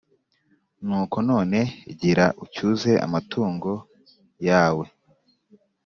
Nuko none gira ucyuze amatungo yawe.